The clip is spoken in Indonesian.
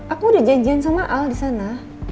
aku udah janjian sama al disana